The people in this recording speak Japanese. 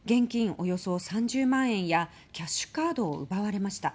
およそ３０万円やキャッシュカードを奪われました。